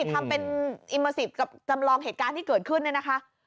ทำเป็นอิมเมอร์ซิตกับจำลองเหตุการณ์ที่เกิดขึ้นเนี่ยนะคะ